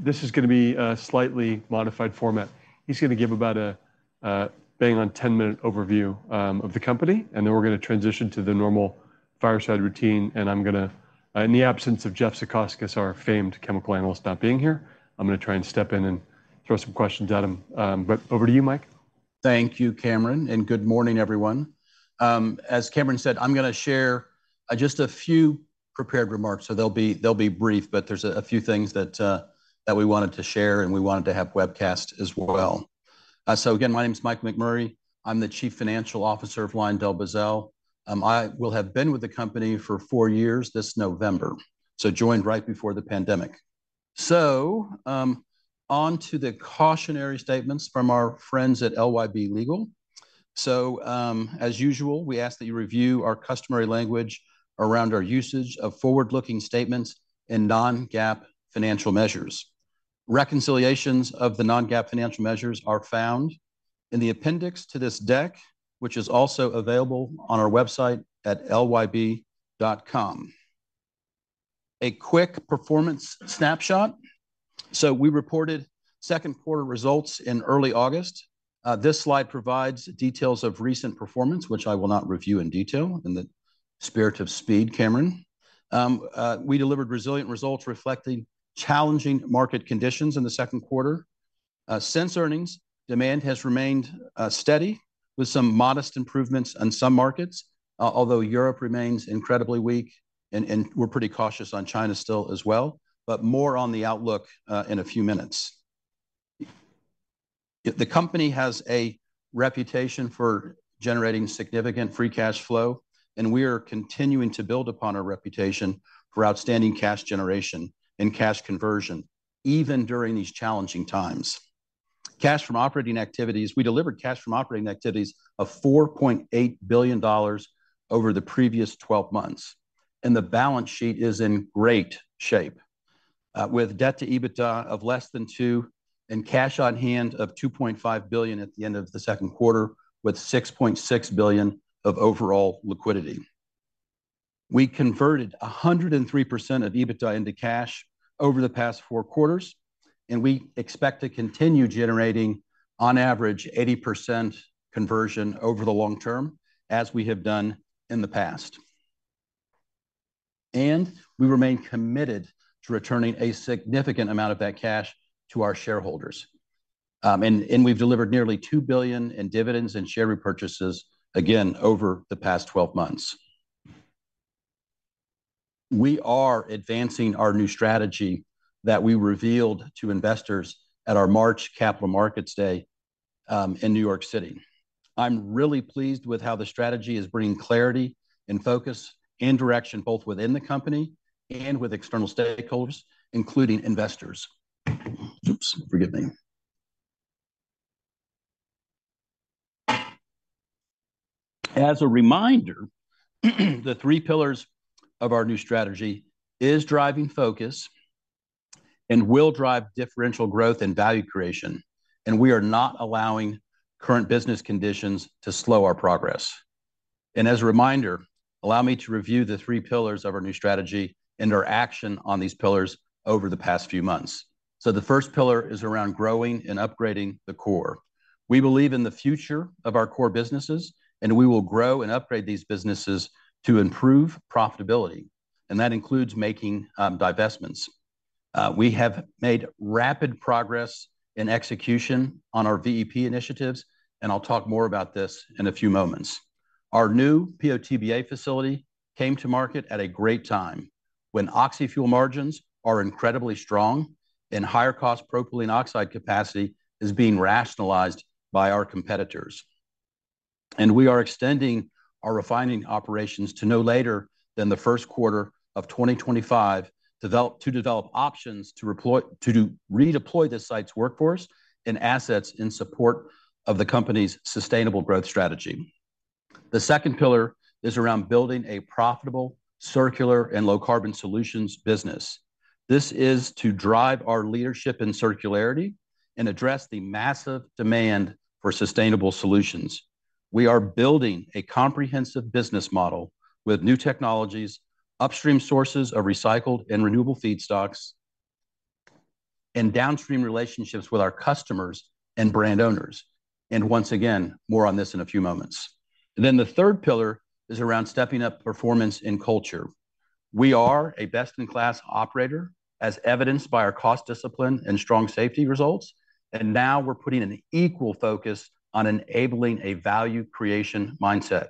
This is going to be a slightly modified format. He's going to give about a bang on 10-minute overview, of the company, and then we're going to transition to the normal fireside routine, and I'm going to—in the absence of Jeff Zekauskas, our famed chemical analyst, not being here, I'm going to try and step in and throw some questions at him. But over to you, Mike. Thank you, Cameron, and good morning, everyone. As Cameron said, I'm going to share just a few prepared remarks, so they'll be brief, but there's a few things that we wanted to share, and we wanted to have a webcast as well. So again, my name is Mike McMurray. I'm the Chief Financial Officer of LyondellBasell. I will have been with the company for four years this November, so joined right before the pandemic. On to the cautionary statements from our friends at LYB Legal. As usual, we ask that you review our customary language around our usage of forward-looking statements and non-GAAP financial measures. Reconciliations of the non-GAAP financial measures are found in the appendix to this deck, which is also available on our website at lyb.com. A quick performance snapshot. So we reported Q2 results in early August. This slide provides details of recent performance, which I will not review in detail, in the spirit of speed, Cameron. We delivered resilient results reflecting challenging market conditions in the Q2. Since earnings, demand has remained steady, with some modest improvements in some markets, although Europe remains incredibly weak, and we're pretty cautious on China still as well, but more on the outlook in a few minutes. The company has a reputation for generating significant free cash flow, and we are continuing to build upon our reputation for outstanding cash generation and cash conversion, even during these challenging times. Cash from operating activities, we delivered cash from operating activities of $4.8 billion over the previous 12 months, and the balance sheet is in great shape with debt to EBITDA of less than two and cash on hand of $2.5 billion at the end of the Q2, with $6.6 billion of overall liquidity. We converted 103% of EBITDA into cash over the past four quarters, and we expect to continue generating, on average, 80% conversion over the long term, as we have done in the past. And we remain committed to returning a significant amount of that cash to our shareholders. We've delivered nearly $2 billion in dividends and share repurchases again over the past 12 months. We are advancing our new strategy that we revealed to investors at our March Capital Markets Day in New York City. I'm really pleased with how the strategy is bringing clarity and focus and direction, both within the company and with external stakeholders, including investors. Oops, forgive me. As a reminder, the three pillars of our new strategy is driving focus and will drive differential growth and value creation, and we are not allowing current business conditions to slow our progress. As a reminder, allow me to review the three pillars of our new strategy and our action on these pillars over the past few months. The first pillar is around growing and upgrading the core. We believe in the future of our core businesses, and we will grow and upgrade these businesses to improve profitability, and that includes making divestments. We have made rapid progress in execution on our VEP initiatives, and I'll talk more about this in a few moments. Our new PO/TBA facility came to market at a great time, when oxyfuel margins are incredibly strong and higher cost propylene oxide capacity is being rationalized by our competitors. We are extending our refining operations to no later than the Q1 of 2025, to develop options to redeploy the site's workforce and assets in support of the company's sustainable growth strategy. The second pillar is around building a profitable, circular, and low-carbon solutions business. This is to drive our leadership in circularity and address the massive demand for sustainable solutions. We are building a comprehensive business model with new technologies, upstream sources of recycled and renewable feedstocks, and downstream relationships with our customers and brand owners. And once again, more on this in a few moments. Then the third pillar is around stepping up performance and culture. We are a best-in-class operator, as evidenced by our cost discipline and strong safety results, and now we're putting an equal focus on enabling a value creation mindset.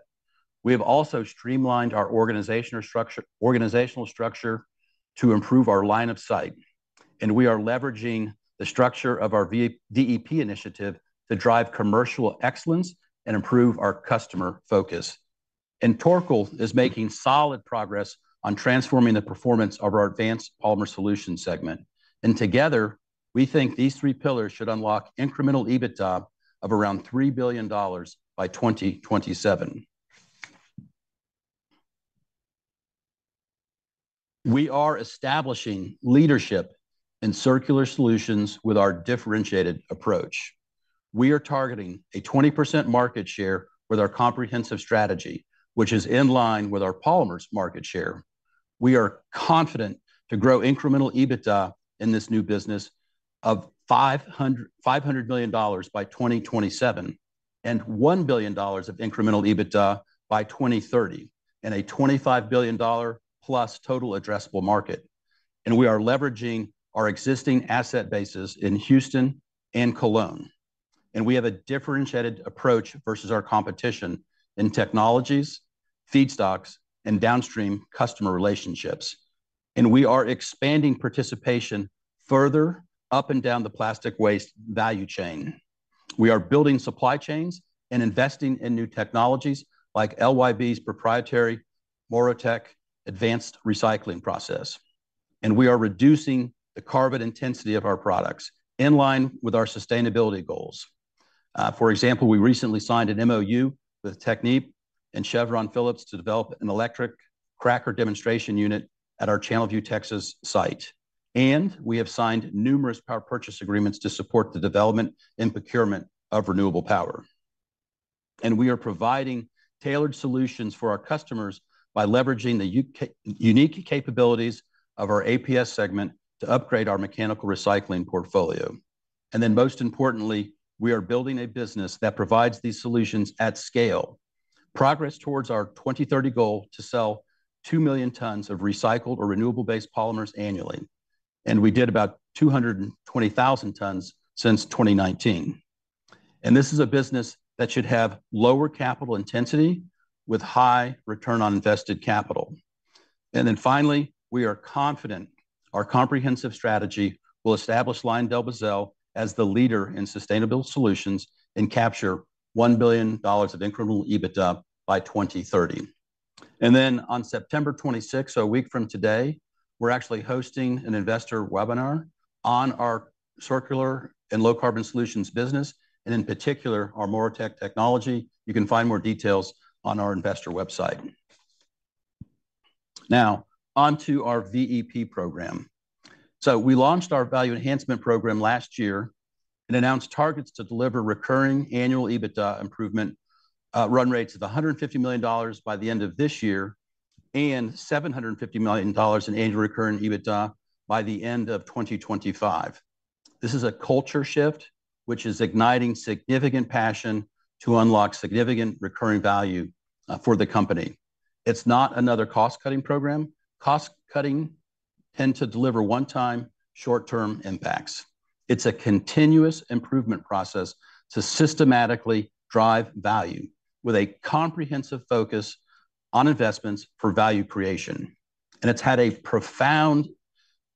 We have also streamlined our organizational structure to improve our line of sight, and we are leveraging the structure of our VEP initiative to drive commercial excellence and improve our customer focus. Torkel is making solid progress on transforming the performance of our Advanced Polymer Solutions segment. Together, we think these three pillars should unlock incremental EBITDA of around $3 billion by 2027. We are establishing leadership and circular solutions with our differentiated approach. We are targeting a 20% market share with our comprehensive strategy, which is in line with our polymers market share. We are confident to grow incremental EBITDA in this new business of $500 million by 2027, and $1 billion of incremental EBITDA by 2030, in a $25 billion+ total addressable market. We are leveraging our existing asset bases in Houston and Cologne, and we have a differentiated approach versus our competition in technologies, feedstocks, and downstream customer relationships. We are expanding participation further up and down the plastic waste value chain. We are building supply chains and investing in new technologies like LYB's proprietary MoReTec advanced recycling process, and we are reducing the carbon intensity of our products in line with our sustainability goals. For example, we recently signed an MOU with Technip and Chevron Phillips to develop an electric cracker demonstration unit at our Channelview, Texas site. And we have signed numerous power purchase agreements to support the development and procurement of renewable power. And we are providing tailored solutions for our customers by leveraging the unique capabilities of our APS segment to upgrade our mechanical recycling portfolio. And then, most importantly, we are building a business that provides these solutions at scale. Progress towards our 2030 goal to sell 2 million tons of recycled or renewable-based polymers annually, and we did about 220,000 tons since 2019. And this is a business that should have lower capital intensity with high return on invested capital. Finally, we are confident our comprehensive strategy will establish LyondellBasell as the leader in sustainable solutions and capture $1 billion of incremental EBITDA by 2030. Then on September 26, a week from today, we're actually hosting an investor webinar on our circular and low-carbon solutions business, and in particular, our MoReTec technology. You can find more details on our investor website. Now, onto our VEP program. We launched our value enhancement program last year and announced targets to deliver recurring annual EBITDA improvement run rates of $150 million by the end of this year, and $750 million in annual recurring EBITDA by the end of 2025. This is a culture shift, which is igniting significant passion to unlock significant recurring value for the company. It's not another cost-cutting program. Cost cutting tends to deliver one-time, short-term impacts. It's a continuous improvement process to systematically drive value with a comprehensive focus on investments for value creation, and it's had a profound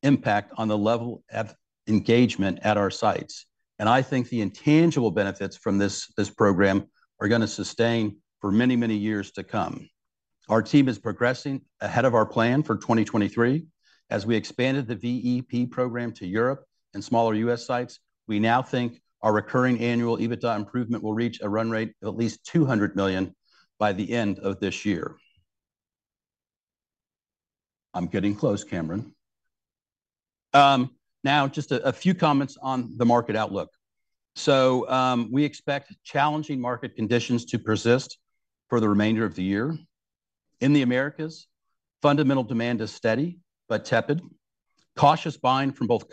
impact on the level of engagement at our sites. I think the intangible benefits from this, this program are gonna sustain for many, many years to come. Our team is progressing ahead of our plan for 2023. As we expanded the VEP program to Europe and smaller U.S. sites, we now think our recurring annual EBITDA improvement will reach a run rate of at least $200 million by the end of this year. I'm getting close, Cameron. Now, just a few comments on the market outlook. We expect challenging market conditions to persist for the remainder of the year. In the Americas, fundamental demand is steady, but tepid, with cautious buying from both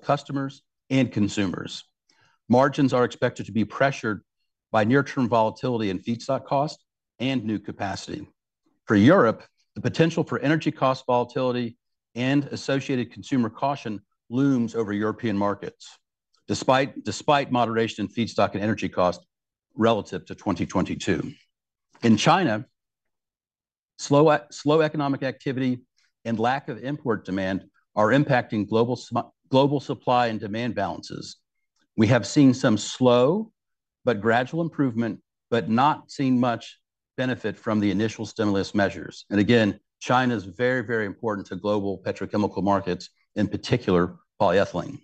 customers and consumers. Margins are expected to be pressured by near-term volatility in feedstock cost and new capacity. For Europe, the potential for energy cost volatility and associated consumer caution looms over European markets, despite moderation in feedstock and energy costs relative to 2022. In China, slow economic activity and lack of import demand are impacting global supply and demand balances. We have seen some slow but gradual improvement, but not seen much benefit from the initial stimulus measures. China is very, very important to global petrochemical markets, in particular, polyethylene.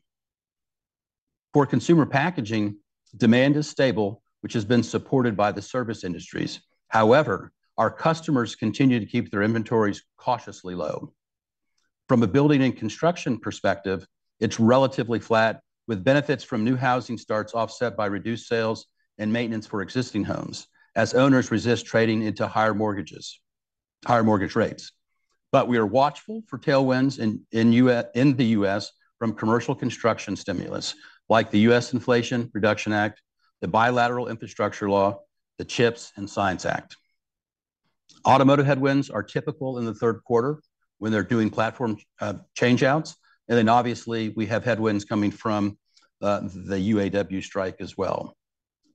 For consumer packaging, demand is stable, which has been supported by the service industries. However, our customers continue to keep their inventories cautiously low. From a building and construction perspective, it's relatively flat, with benefits from new housing starts offset by reduced sales and maintenance for existing homes, as owners resist trading into higher mortgages, higher mortgage rates. But we are watchful for tailwinds in the US from commercial construction stimulus, like the Inflation Reduction Act, the Bilateral Infrastructure Law, the CHIPS and Science Act. Automotive headwinds are typical in the Q3 when they're doing platform change outs, and then obviously, we have headwinds coming from the UAW strike as well.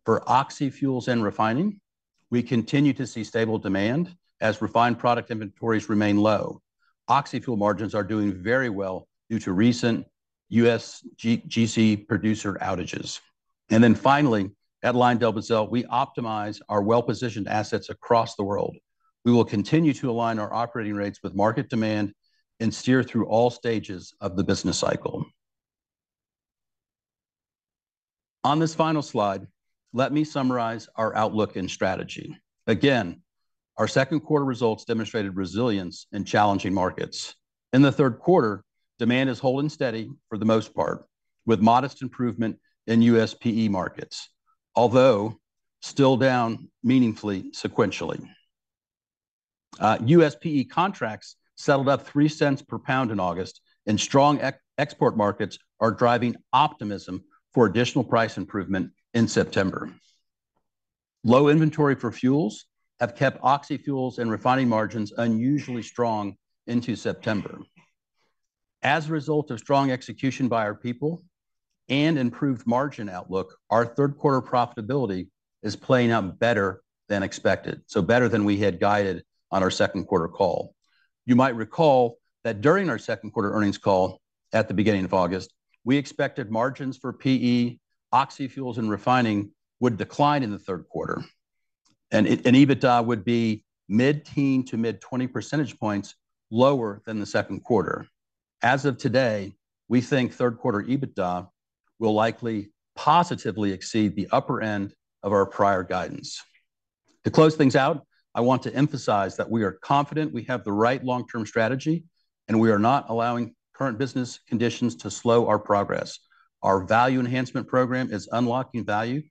For oxyfuels and refining, we continue to see stable demand as refined product inventories remain low. Oxyfuel margins are doing very well due to recent USGC producer outages. And then finally, at LyondellBasell, we optimize our well-positioned assets across the world. We will continue to align our operating rates with market demand and steer through all stages of the business cycle. On this final slide, let me summarize our outlook and strategy. Again, our Q2 results demonstrated resilience in challenging markets. In the Q3, demand is holding steady for the most part, with modest improvement in USPE markets, although still down meaningfully sequentially. USPE contracts settled up $0.03 per pound in August, and strong ex-export markets are driving optimism for additional price improvement in September. Low inventory for fuels have kept oxyfuels and refining margins unusually strong into September. As a result of strong execution by our people and improved margin outlook, our Q3 profitability is playing out better than expected, so better than we had guided on our Q2 call. You might recall that during our Q2 earnings call, at the beginning of August, we expected margins for PE, oxyfuels, and refining would decline in the Q3, and EBITDA would be mid-teen to mid-twenty percentage points lower than the Q2. As of today, we think Q3 EBITDA will likely positively exceed the upper end of our prior guidance. To close things out, I want to emphasize that we are confident we have the right long-term strategy, and we are not allowing current business conditions to slow our progress. Our value enhancement program is unlocking value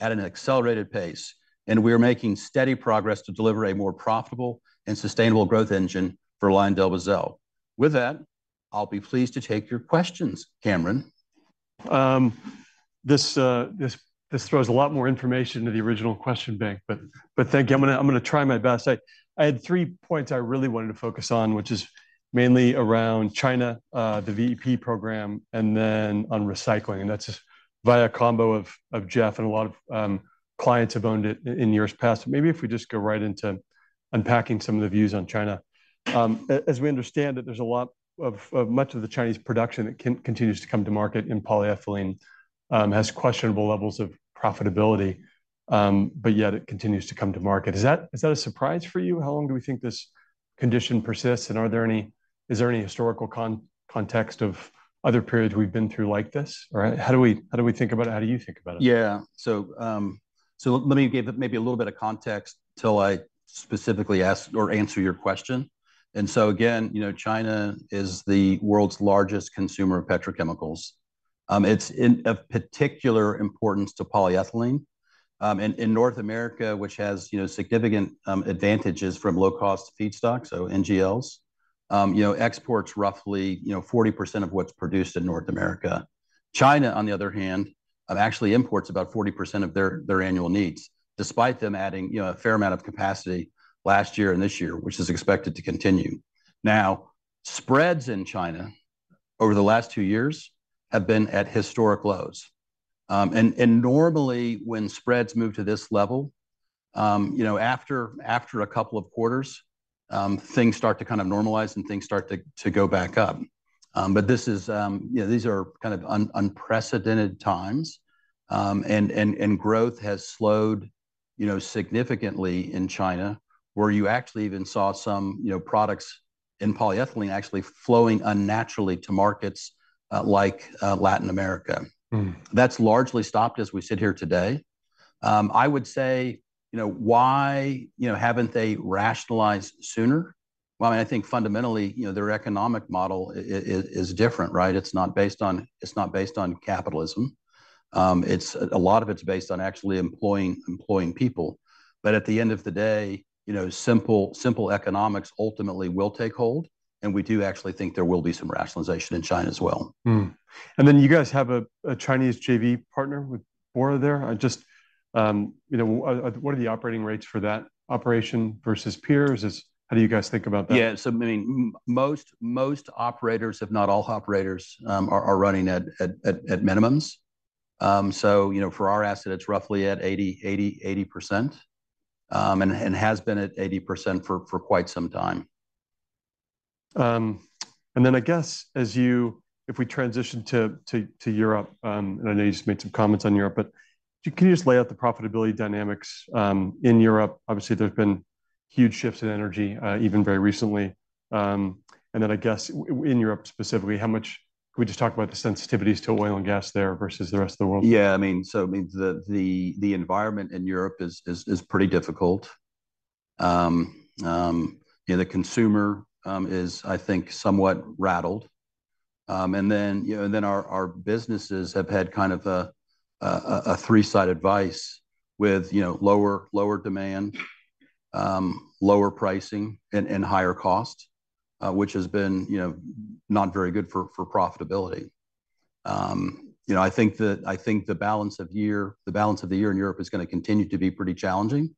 at an accelerated pace, and we are making steady progress to deliver a more profitable and sustainable growth engine for LyondellBasell. With that, I'll be pleased to take your questions. Cameron? This throws a lot more information to the original question bank, but thank you. I'm gonna try my best. I had three points I really wanted to focus on, which is mainly around China, the VEP program, and then on recycling, and that's via a combo of Jeff and a lot of clients have owned it in years past. Maybe if we just go right into unpacking some of the views on China. As we understand it, there's a lot of much of the Chinese production that continues to come to market, and polyethylene has questionable levels of profitability, but yet it continues to come to market. Is that a surprise for you? How long do we think this condition persists, and is there any historical context of other periods we've been through like this? Or how do we, how do we think about it? How do you think about it? Yeah. So, let me give maybe a little bit of context till I specifically ask or answer your question. So again, you know, China is the world's largest consumer of petrochemicals. It's of particular importance to polyethylene, and in North America, which has, you know, significant advantages from low-cost feedstock, so NGLs. You know, exports roughly 40% of what's produced in North America. China, on the other hand, actually imports about 40% of their annual needs, despite them adding, you know, a fair amount of capacity last year and this year, which is expected to continue. Now, spreads in China over the last two years have been at historic lows. And normally, when spreads move to this level, you know, after a couple of quarters, things start to kind of normalize, and things start to go back up. But this is, you know, these are kind of unprecedented times, and growth has slowed, you know, significantly in China, where you actually even saw some products in polyethylene actually flowing unnaturally to markets, like Latin America. That's largely stopped as we sit here today. I would say, you know, why, you know, haven't they rationalized sooner? Well, I think fundamentally, you know, their economic model is different, right? It's not based on, it's not based on capitalism. It's a lot of it is based on actually employing people. But at the end of the day, you know, simple economics ultimately will take hold, and we do actually think there will be some rationalization in China as well. Then, you guys have a Chinese JV partner with Bora there. Just, you know, what are the operating rates for that operation versus peers? How do you guys think about that? Yeah, so, I mean, most operators, if not all operators, are running at minimums. So, you know, for our asset, it's roughly at 80%, and has been at 80% for quite some time. And then I guess if we transition to Europe, and I know you just made some comments on Europe, but can you just lay out the profitability dynamics in Europe? Obviously, there have been huge shifts in energy even very recently. And then I guess in Europe specifically... Can we just talk about the sensitivities to oil and gas there versus the rest of the world? Yeah, I mean, so, I mean, the environment in Europe is pretty difficult. You know, the consumer is, I think, somewhat rattled. And then, you know, and then our businesses have had kind of a three-sided vice with, you know, lower demand, lower pricing, and higher cost, which has been, you know, not very good for profitability. You know, I think that- I think the balance of the year in Europe is gonna continue to be pretty challenging,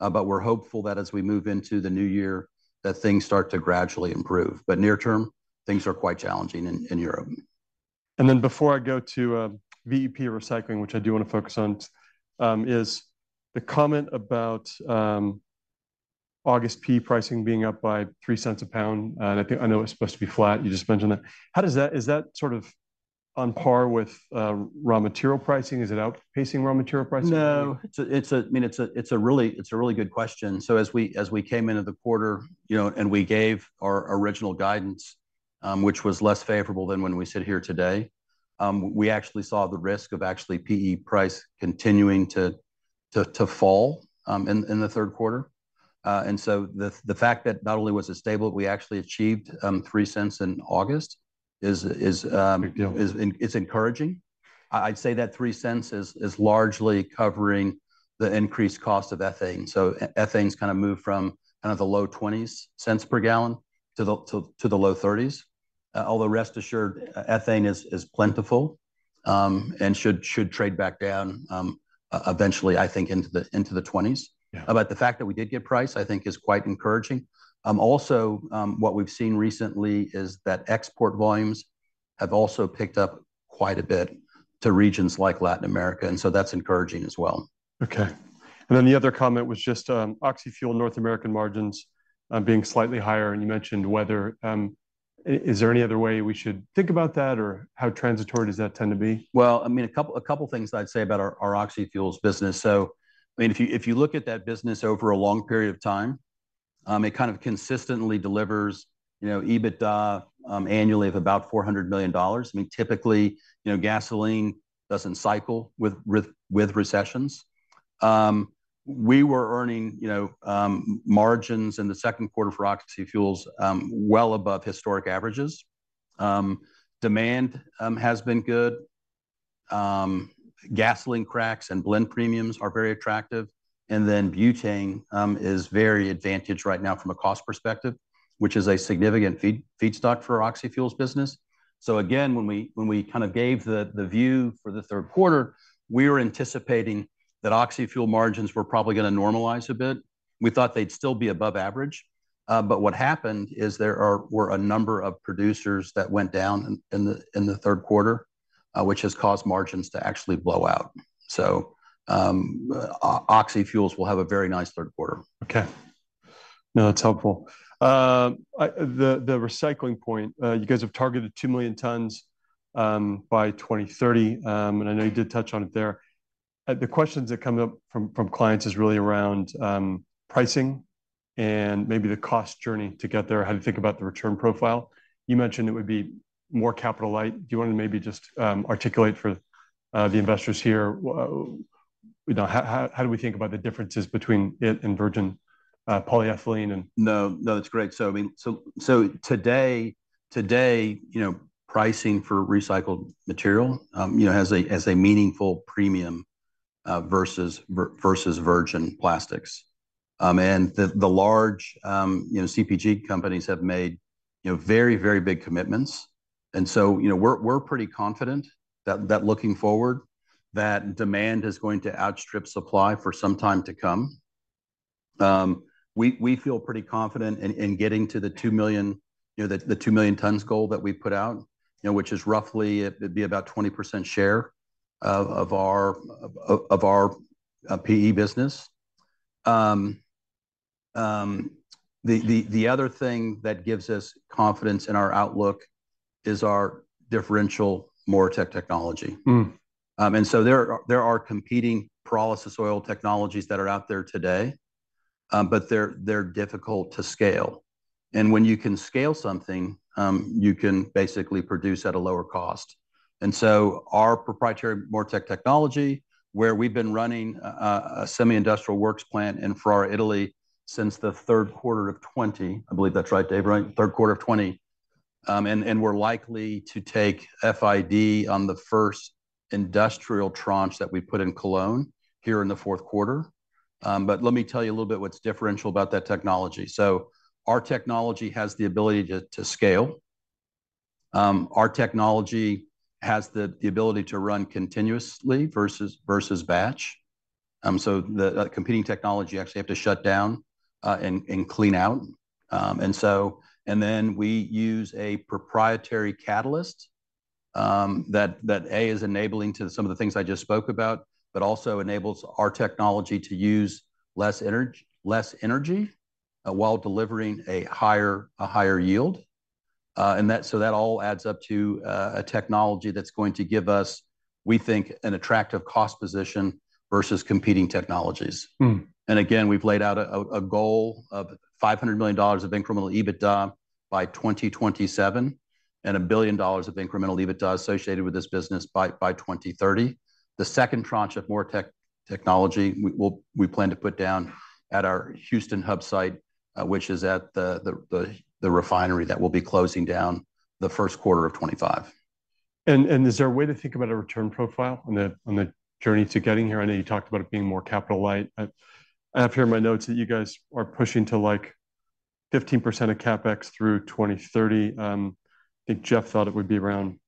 but we're hopeful that as we move into the new year, that things start to gradually improve. But near term, things are quite challenging in Europe. And then, before I go to VEP recycling, which I do want to focus on, is the comment about August PE pricing being up by $0.03 a pound, and I think, I know it's supposed to be flat. You just mentioned that. How does that? Is that sort of on par with raw material pricing? Is it outpacing raw material pricing? No, it's a, it's a, I mean, it's a, it's a really, it's a really good question. As we came into the quarter, you know, and we gave our original guidance, which was less favorable than when we sit here today, we actually saw the risk of actually PE price continuing to, to, to fall in the Q3. The fact that not only was it stable, we actually achieved 3 cents in August, is, is, Big deal. It's encouraging. I'd say that 3 cents is largely covering the increased cost of ethane. So ethane's kind of moved from the low 20s cents per gallon to the low 30s. Although rest assured, ethane is plentiful and should trade back down eventually, I think, into the 20s. Yeah. The fact that we did get price, I think is quite encouraging. Also, what we've seen recently is that export volumes have also picked up quite a bit to regions like Latin America, and so that's encouraging as well. Okay. And then the other comment was just, oxyfuel North American margins being slightly higher, and you mentioned weather. Is there any other way we should think about that, or how transitory does that tend to be? Well, I mean, a couple, a couple things I'd say about our, our oxyfuels business. So I mean, if you, if you look at that business over a long period of time, it kind of consistently delivers, you know, EBITDA annually of about $400 million. I mean, typically, you know, gasoline doesn't cycle with, with, with recessions. We were earning, you know, margins in the Q2 for oxyfuels well above historic averages. Demand has been good. Gasoline cracks and blend premiums are very attractive, and then butane is very advantaged right now from a cost perspective, which is a significant feedstock for our oxyfuels business. So again, when we, when we kind of gave the, the view for the Q2, we were anticipating that oxyfuel margins were probably going to normalize a bit. We thought they'd still be above average, but what happened is there were a number of producers that went down in the Q3, which has caused margins to actually blow out. So, oxyfuels will have a very nice Q3. Okay. No, that's helpful. The recycling point, you guys have targeted 2 million tons by 2030, and I know you did touch on it there. The questions that come up from clients is really around pricing and maybe the cost journey to get there. How do you think about the return profile? You mentioned it would be more capital light. Do you want to maybe just articulate for the investors here, you know, how do we think about the differences between it and virgin Polyethylene, and- No, no, that's great. So, I mean. So today, you know, pricing for recycled material, you know, has a meaningful premium versus virgin plastics. And the large, you know, CPG companies have made, you know, very, very big commitments. And so, you know, we're pretty confident that looking forward, that demand is going to outstrip supply for some time to come. We feel pretty confident in getting to the 2 million tons goal that we put out, you know, which is roughly, it'd be about 20% share of our PE business. The other thing that gives us confidence in our outlook is our differential MoReTec technology. There are competing pyrolysis oil technologies that are out there today, but they're difficult to scale. When you can scale something, you can basically produce at a lower cost. Our proprietary MoReTec technology, where we've been running a semi-industrial works plant in Ferrara, Italy, since the Q3 of 2020—I believe that's right, Dave, right? Q3 of 2020—we're likely to take FID on the first industrial tranche that we put in Cologne here in the Q4. Let me tell you a little bit what's differential about that technology. Our technology has the ability to scale. Our technology has the ability to run continuously versus batch. The competing technology actually has to shut down and clean out. And then we use a proprietary catalyst that enables some of the things I just spoke about, but also enables our technology to use less energy while delivering a higher yield. So that all adds up to a technology that's going to give us, we think, an attractive cost position versus competing technologies. Again, we've laid out a goal of $500 million of incremental EBITDA by 2027, and $1 billion of incremental EBITDA associated with this business by 2030. The second tranche of MoReTec technology, we'll plan to put down at our Houston hub site, which is at the refinery that will be closing down the Q1 of 2025. Is there a way to think about a return profile on the, on the journey to getting here? I know you talked about it being more capital light. I have here in my notes that you guys are pushing to, like, 15% of CapEx through 2030. I think Jeff thought it would be around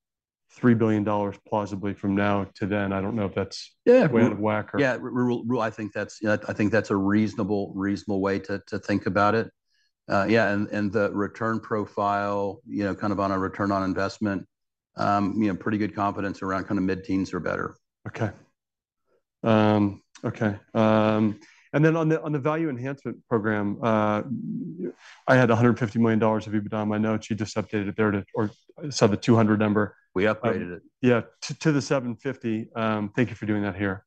$3 billion plausibly from now to then. I don't know if that's- Yeah. way out of whack or Yeah, I think that's, you know, I think that's a reasonable, reasonable way to, to think about it. Yeah, and, and the return profile, you know, kind of on a return on investment, you know, pretty good confidence around kind of mid-teens or better. And then on the value enhancement program, I had $150 million of EBITDA on my notes. You just updated it there to or saw the 200 number. We updated it. Yeah, to the 750. Thank you for doing that here.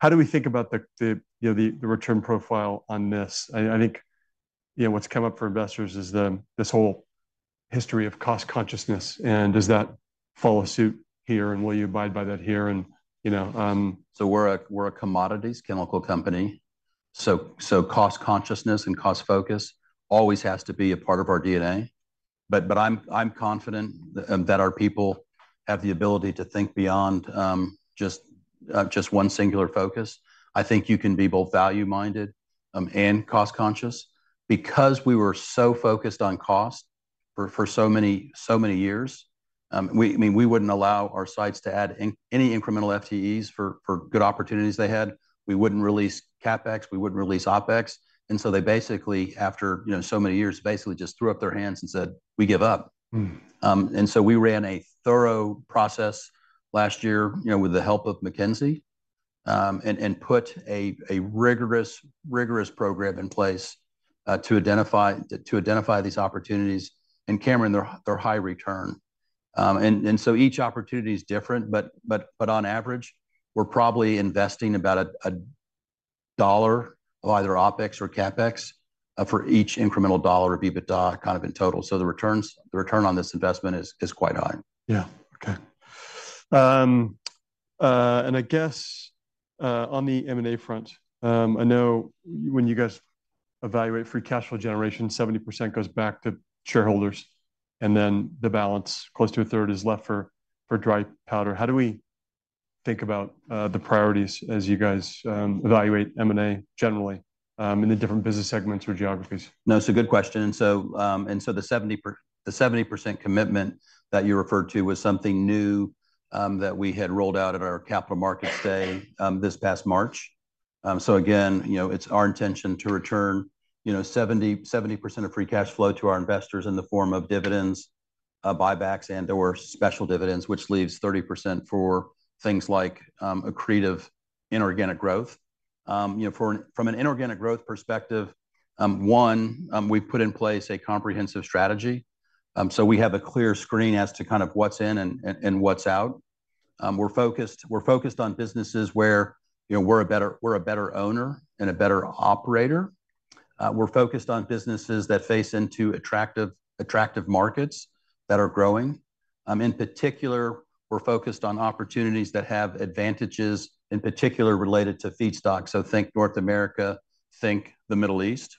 How do we think about the, you know, the return profile on this? Yeah, what's come up for investors is the, this whole history of cost consciousness, and does that follow suit here, and will you abide by that here? And, you know, So we're a commodities chemical company, so cost consciousness and cost focus always has to be a part of our DNA. But I'm confident that our people have the ability to think beyond just one singular focus. I think you can be both value-minded and cost conscious. Because we were so focused on cost for so many years, we—I mean, we wouldn't allow our sites to add any incremental FTEs for good opportunities they had. We wouldn't release CapEx, we wouldn't release OpEx, and so they basically, after, you know, so many years, basically just threw up their hands and said, "We give up. And so we ran a thorough process last year, you know, with the help of McKinsey, and put a rigorous program in place to identify these opportunities. And Cameron, they're high return. And so each opportunity is different, but on average, we're probably investing about a dollar of either OpEx or CapEx for each incremental dollar of EBITDA, kind of in total. So the return on this investment is quite high. Yeah. Okay. I guess on the M&A front, I know when you guys evaluate free cash flow generation, 70% goes back to shareholders, and then the balance, close to a third, is left for dry powder. How do we think about the priorities as you guys evaluate M&A, generally, in the different business segments or geographies? No, it's a good question. The 70% commitment that you referred to was something new that we had rolled out at our capital markets day this past March. Again, you know, it's our intention to return, you know, 70% of free cash flow to our investors in the form of dividends, buybacks, and/or special dividends, which leaves 30% for things like accretive inorganic growth. You know, from an inorganic growth perspective, we've put in place a comprehensive strategy, so we have a clear screen as to kind of what's in and what's out. We're focused, we're focused on businesses where, you know, we're a better, we're a better owner and a better operator. We're focused on businesses that face into attractive, attractive markets that are growing. In particular, we're focused on opportunities that have advantages, in particular related to feedstock, so think North America, think the Middle East.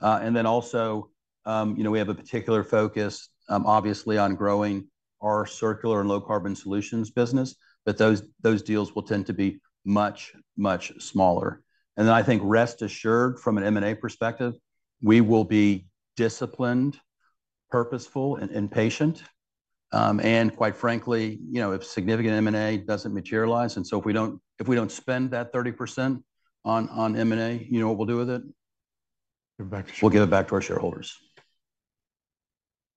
And then also, you know, we have a particular focus, obviously, on growing our circular and low-carbon solutions business, but those, those deals will tend to be much, much smaller. And then, I think, rest assured, from an M&A perspective, we will be disciplined, purposeful, and, and patient. And quite frankly, you know, if significant M&A doesn't materialize, and so if we don't, if we don't spend that 30% on, on M&A, you know what we'll do with it? Give it back to shareholders. We'll give it back to our shareholders.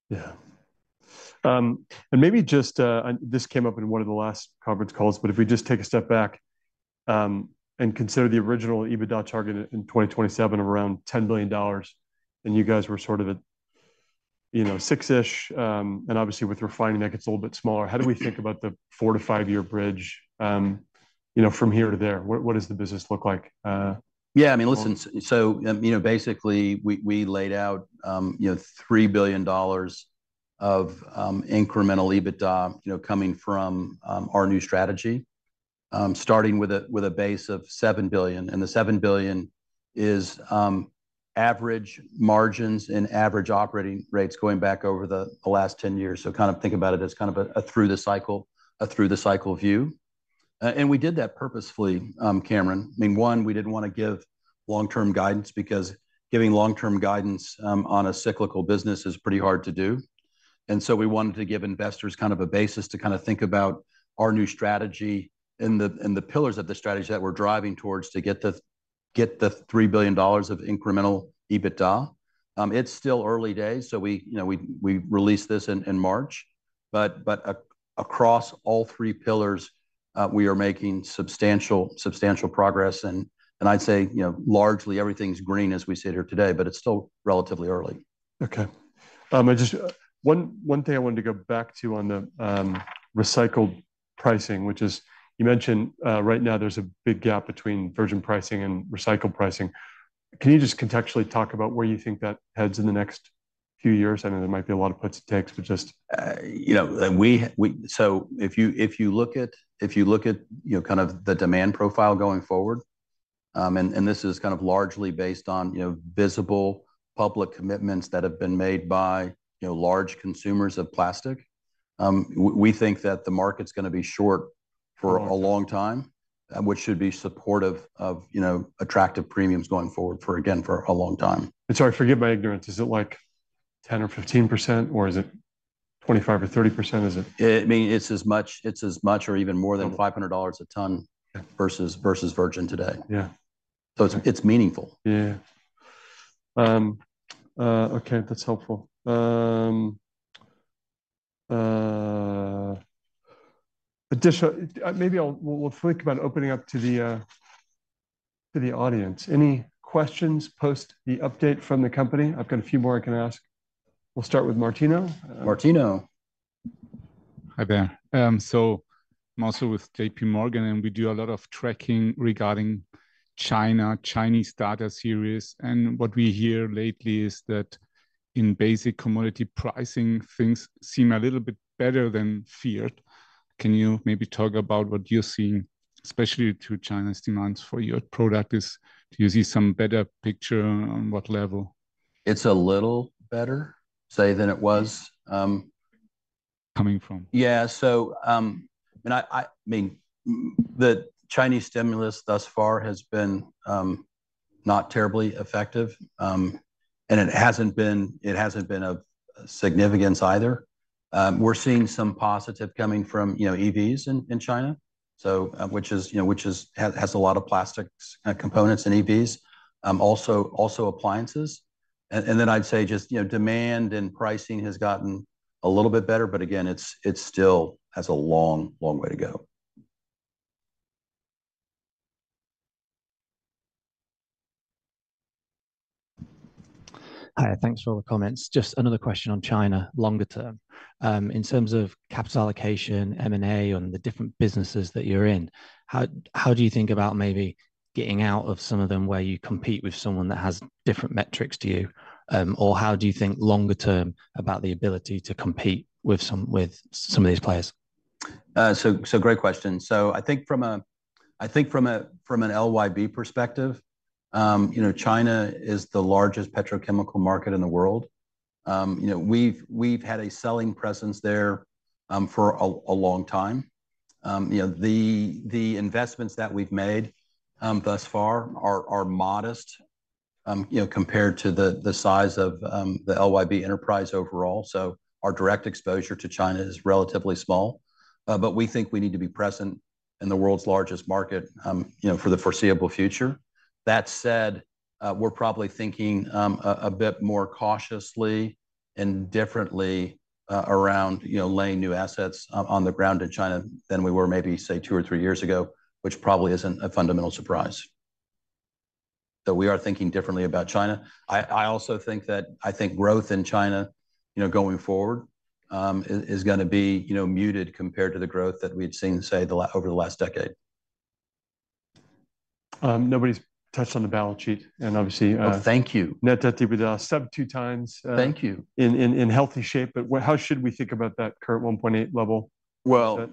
Yeah. And maybe just this came up in one of the last conference calls, but if we just take a step back, and consider the original EBITDA target in 2027 of around $10 billion, and you guys were sort of at, you know, six-ish, and obviously, with refining, that gets a little bit smaller. How do we think about the 4- to 5-year bridge, you know, from here to there? What does the business look like? Yeah, I mean, listen. So, you know, basically, we laid out $3 billion of incremental EBITDA, you know, coming from our new strategy, starting with a base of $7 billion, and the $7 billion is average margins and average operating rates going back over the last 10 years. So kind of think about it as kind of a through-the-cycle view. And we did that purposefully, Cameron. I mean, one, we didn't want to give long-term guidance, because giving long-term guidance on a cyclical business is pretty hard to do. We wanted to give investors kind of a basis to kind of think about our new strategy and the pillars of the strategy that we're driving towards to get the $3 billion of incremental EBITDA. It's still early days, so you know, we released this in March, but across all 3 pillars, we are making substantial, substantial progress. I'd say, you know, largely everything's green as we sit here today, but it's still relatively early. Okay. I just... One thing I wanted to go back to on the recycled pricing, which is, you mentioned, right now there's a big gap between virgin pricing and recycled pricing. Can you just contextually talk about where you think that heads in the next few years? I know there might be a lot of puts and takes, but just- You know, so if you look at you know, kind of the demand profile going forward, and this is kind of largely based on you know, visible public commitments that have been made by you know, large consumers of plastic. We think that the market's gonna be short for a long time, which should be supportive of you know, attractive premiums going forward for again, for a long time. And sorry, forgive my ignorance. Is it, like, 10% or 15%, or is it 25% or 30%? Is it- It, I mean, it's as much, it's as much or even more than $500 a ton versus virgin today. Yeah. It's meaningful. Yeah. Okay, that's helpful. Maybe we'll think about opening up to the audience. Any questions post the update from the company? I've got a few more I can ask. We'll start with Martino. Martino. Hi there. So I'm also with JPMorgan, and we do a lot of tracking regarding China, Chinese data series. What we hear lately is that in basic commodity pricing, things seem a little bit better than feared. Can you maybe talk about what you're seeing, especially to China's demands for your product? Do you see some better picture, on what level? It's a little better, say, than it was. Coming from? Yeah. So, I mean, the Chinese stimulus thus far has been not terribly effective, and it hasn't been of significance either. We're seeing some positive coming from, you know, EVs in China, so, which is, you know, has a lot of plastics components in EVs, also appliances. Then I'd say just, you know, demand and pricing has gotten a little bit better, but again, it's still has a long, long way to go. Hi, thanks for all the comments. Just another question on China, longer term. In terms of capital allocation, M&A, and the different businesses that you're in, how, how do you think about maybe getting out of some of them, where you compete with someone that has different metrics to you? Or how do you think longer term about the ability to compete with some, with some of these players? Great question. I think from a, from an LYB perspective, you know, China is the largest petrochemical market in the world. You know, we've had a selling presence there for a long time. You know, the investments that we've made thus far are modest, you know, compared to the size of the LYB enterprise overall. So our direct exposure to China is relatively small, but we think we need to be present in the world's largest market, you know, for the foreseeable future. That said, we're probably thinking a bit more cautiously and differently around, you know, laying new assets on the ground in China than we were maybe, say, two or three years ago, which probably isn't a fundamental surprise. So we are thinking differently about China. I also think that growth in China, you know, going forward, is gonna be, you know, muted compared to the growth that we'd seen, say, over the last decade. Nobody's touched on the balance sheet, and obviously- Well, thank you. Net debt to EBITDA sub 2x- Thank you in healthy shape, but what, how should we think about that current 1.8 level? Well,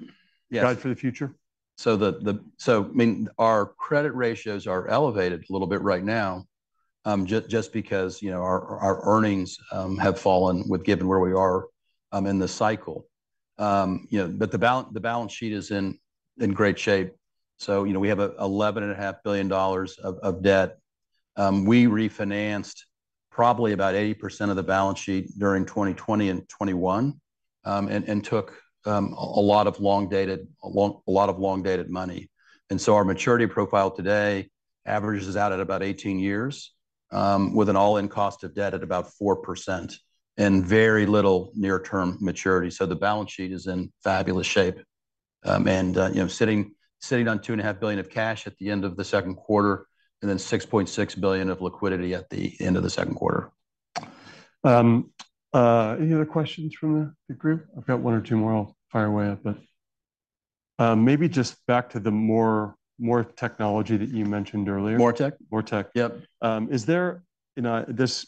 yes. Guide for the future? So, I mean, our credit ratios are elevated a little bit right now, just because, you know, our earnings have fallen given where we are in the cycle. You know, but the balance sheet is in great shape. So, you know, we have $11.5 billion of debt. We refinanced probably about 80% of the balance sheet during 2020 and 2021, and took a lot of long-dated money. And so our maturity profile today averages out at about 18 years, with an all-in cost of debt at about 4% and very little near-term maturity. So the balance sheet is in fabulous shape. You know, sitting on $2.5 billion of cash at the end of the Q2, and then $6.6 billion of liquidity at the end of the Q2. Any other questions from the group? I've got one or two more I'll fire away at, but maybe just back to the MoReTec that you mentioned earlier. MoReTec? MoReTec. Yep. Is there, you know, this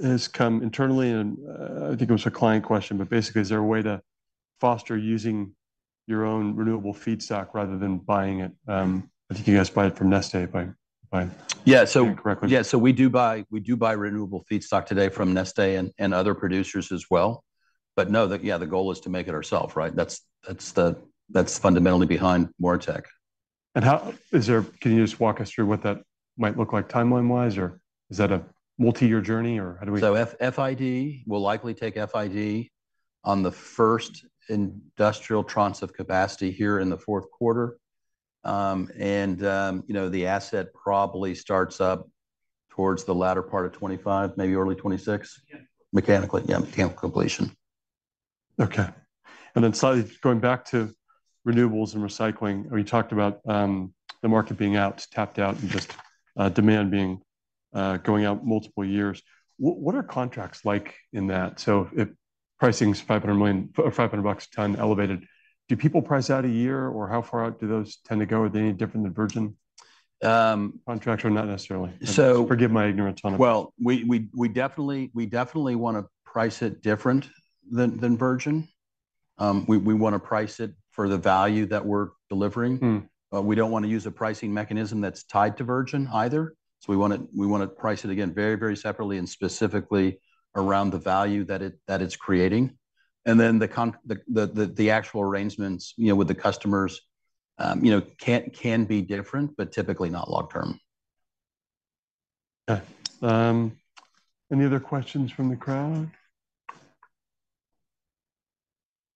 has come internally, and, I think it was a client question, but basically, is there a way to foster using your own renewable feedstock rather than buying it? I think you guys buy it from Neste if I'm buying correctly. Yeah, so we do buy renewable feedstock today from Neste and other producers as well. But no, yeah, the goal is to make it ourselves, right? That's the-- that's fundamentally behind MoReTec. Can you just walk us through what that might look like timeline-wise, or is that a multi-year journey, or how do we. So FID, we'll likely take FID on the first industrial tranches of capacity here in the Q4. You know, the asset probably starts up towards the latter part of 2025, maybe early 2026. Mechanically. Mechanically, yeah, mechanical completion. Okay. Then slightly going back to renewables and recycling, we talked about the market being out tapped out, and just demand being going out multiple years. What, what are contracts like in that? So if pricing is $500 million, $500 a ton elevated, do people price out a year, or how far out do those tend to go? Are they any different than virgin contracts or not necessarily. Forgive my ignorance on it. So, well, we definitely wanna price it different than virgin. We wanna price it for the value that we're delivering. But we don't wanna use a pricing mechanism that's tied to virgin either. So we wanna, we wanna price it again, very, very separately and specifically around the value that it, that it's creating. And then the actual arrangements, you know, with the customers, you know, can be different, but typically not long term. Okay. Any other questions from the crowd?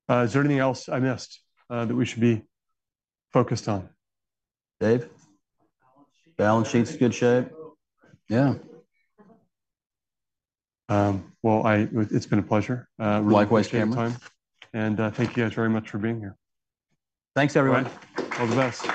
Is there anything else I missed that we should be focused on? Dave? Balance sheet. Balance sheet's in good shape. Yeah. Well, it's been a pleasure. Likewise, Cameron. I really appreciate your time. Thank you guys very much for being here. Thanks, everyone. All the best.